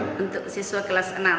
untuk siswa kelas enam